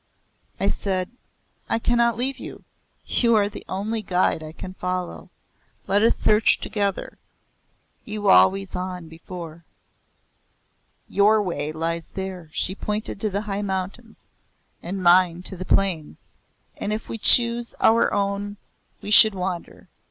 I said; "I cannot leave you. You are the only guide I can follow. Let us search together you always on before." "Your way lies there," she pointed to the high mountains. "And mine to the plains, and if we chose our own we should wander.